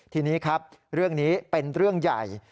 ทีนี้ครับเรื่องนี้เป็นเรื่องใหญ่